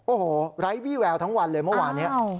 โอ้โหไร้วี่แววทั้งวันเลยเมื่อวานนี้